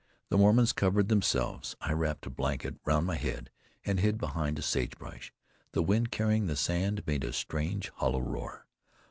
The Mormons covered themselves. I wrapped a blanket round my head and hid behind a sage bush. The wind, carrying the sand, made a strange hollow roar.